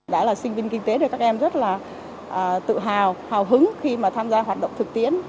đã là sinh viên kinh tế được các em rất là tự hào hào hứng khi mà tham gia hoạt động thực tiễn